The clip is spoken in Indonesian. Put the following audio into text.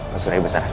mas suraya basar